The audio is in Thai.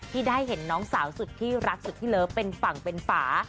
ที่ได้เห็นน้องสาวสุดที่รักสุดที่เลิฟเป็นฝั่งเป็นฝา